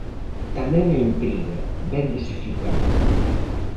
Tamén a intriga, ben dosificada.